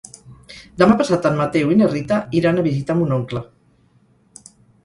Demà passat en Mateu i na Rita iran a visitar mon oncle.